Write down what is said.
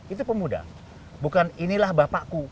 itu pemuda bukan inilah bapakku